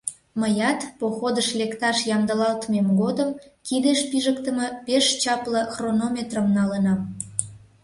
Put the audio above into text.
Мыят походыш лекташ ямдылалтмем годым кидеш пижыктыме пеш чапле хронометрым налынам.